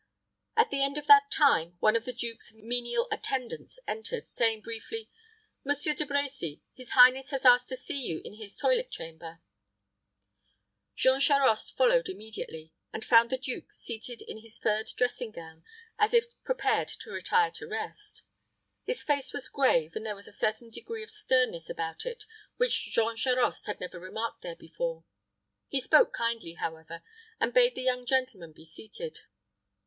At the end of that time, one of the duke's menial attendants entered, saying briefly, "Monsieur De Brecy, his highness has asked to see you in his toilet chamber." Jean Charost followed immediately, and found the duke seated in his furred dressing gown, as if prepared to retire to rest. His face was grave, and there was a certain degree of sternness about it which Jean Charost had never remarked there before. He spoke kindly, however, and bade the young gentleman be seated.